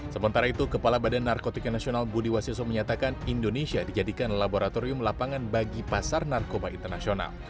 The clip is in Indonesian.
sementara itu kepala badan narkotika nasional budi wasiso menyatakan indonesia dijadikan laboratorium lapangan bagi pasar narkoba internasional